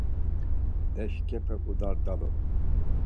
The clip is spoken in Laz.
Leşǩepe udardalu.